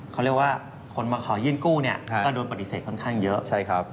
เขาเรียกว่าคนมาขอยื่นกู้ก็โดนปฏิเสธค่อนข้างเยอะ